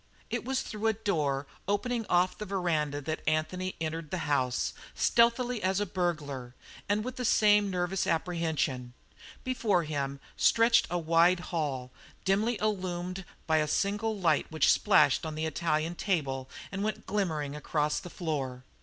It was through a door opening off the veranda that Anthony entered the house, stealthily as a burglar, and with the same nervous apprehension. Before him stretched a wide hall, dimly illumined by a single light which splashed on the Italian table and went glimmering across the floor.